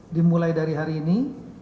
dimulai dari hari ini